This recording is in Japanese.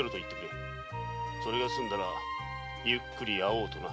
それがすんだらゆっくり会おうとな。